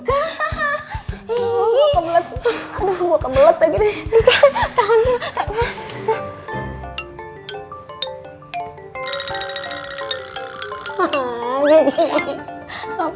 gigi bantu lewat doa mbak